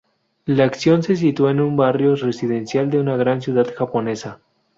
La acción se sitúa en un barrio residencial de una gran ciudad japonesa.